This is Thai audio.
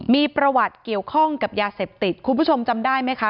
มีประวัติเกี่ยวข้องกับยาเสพติดคุณผู้ชมจำได้ไหมคะ